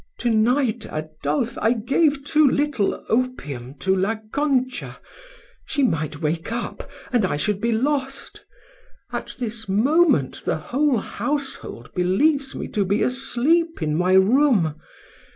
To night Adolphe, I gave too little opium to La Concha. She might wake up, and I should be lost. At this moment the whole household believes me to be asleep in my room.